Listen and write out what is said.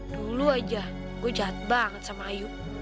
dulu aja gue jahat banget sama ayu